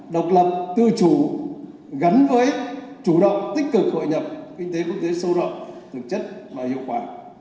độc lập tự chủ gắn với chủ động tích cực hội nhập kinh tế quốc tế sâu rộng thực chất và hiệu quả